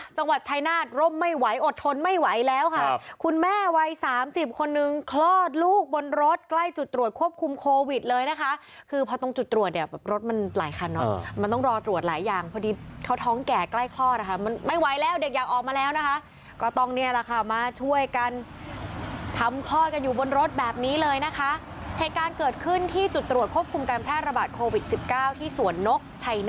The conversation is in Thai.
จังหวัดชัยนาธรมไม่ไหวอดทนไม่ไหวแล้วค่ะคุณแม่วัยสามสิบคนหนึ่งคลอดลูกบนรถใกล้จุดตรวจควบคุมโควิดเลยนะคะคือเพราะต้องจุดตรวจเนี่ยแบบรถมันหลายคันน่ะอ่ามันต้องรอตรวจหลายอย่างพอดีเขาท้องแก่ใกล้คลอดนะคะมันไม่ไหวแล้วเด็กยากออกมาแล้วนะคะก็ต้องเนี่ยล่ะค่ะมาช่วยกันทำคลอดก